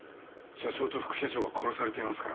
社長と副社長が殺されていますからね。